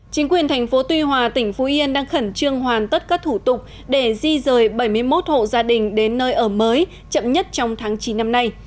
chính quyền thành phố tuy hòa tỉnh phú yên đang khẩn trương hoàn tất các thủ tục để di rời bảy mươi một hộ gia đình đến nơi ở mới chậm nhất trong tháng chín năm nay